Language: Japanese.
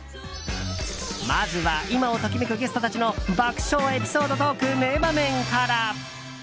まずは今を時めくゲストたちの爆笑エピソードトーク名場面から。